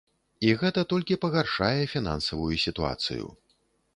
І гэта толькі пагаршае фінансавую сітуацыю.